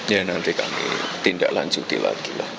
ya nanti kami tindak lanjuti lagi lah